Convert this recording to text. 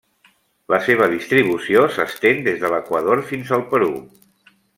La seva distribució s'estén des de l'Equador fins al Perú.